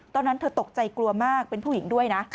ตอนนั้นเธอตกใจกลัวมากเป็นผู้หญิงด้วยนะ